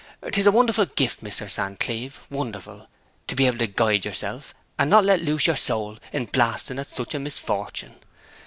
'Tis a wonderful gift, Mr. San Cleeve, wonderful, to be able to guide yerself, and not let loose yer soul in blasting at such a misfortune.